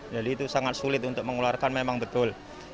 jadi itu sangat sulit untuk mengularkan memang betul